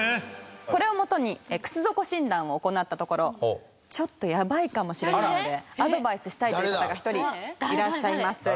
これを元に靴底診断を行ったところちょっとやばいかもしれないのでアドバイスしたいという方が１人いらっしゃいます。